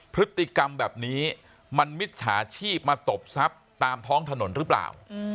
พฤติกรรมแบบนี้มันมิจฉาชีพมาตบทรัพย์ตามท้องถนนหรือเปล่า